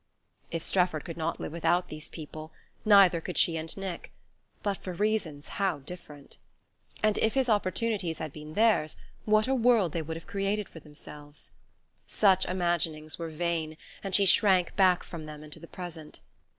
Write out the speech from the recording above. If Strefford could not live without these people, neither could she and Nick; but for reasons how different! And if his opportunities had been theirs, what a world they would have created for themselves! Such imaginings were vain, and she shrank back from them into the present.